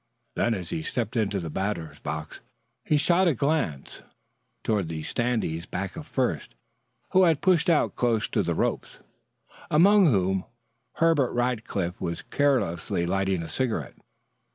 Then, as he stepped into the box, he shot a glance toward the standees back of first, who had pushed out close to the ropes, among whom Herbert Rackliff was carelessly lighting a cigarette.